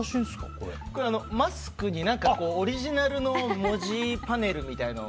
これ、マスクにオリジナルの文字パネルみたいなのを。